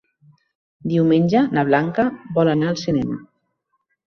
Diumenge na Blanca vol anar al cinema.